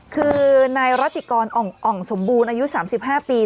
คือในราติกรอ่องอ่องสมบูรณ์อายุสามสิบห้าปี